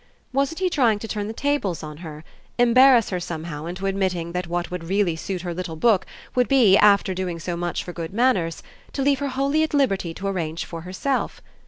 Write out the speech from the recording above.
Wasn't he trying to turn the tables on her, embarrass her somehow into admitting that what would really suit her little book would be, after doing so much for good manners, to leave her wholly at liberty to arrange for herself?